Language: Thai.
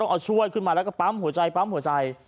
ต้องเอาช่วยขึ้นมาแล้วเปล่าปั๊มหัวใจพักหัวใจ